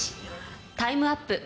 タイムアップ